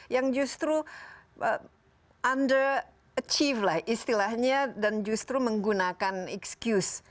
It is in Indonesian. yang justru underachieve lah istilahnya dan justru menggunakan excuse